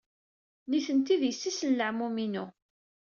Nitenti d yessi-s n leɛmum-inu.